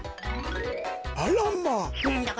あらまあ！